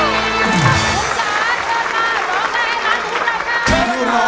ร้องได้ให้ร้านคุณสาวค่ะ